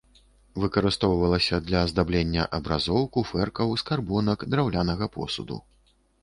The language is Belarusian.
Выкарыстоўвалася для аздаблення абразоў, куфэркаў, скарбонак, драўлянага посуду.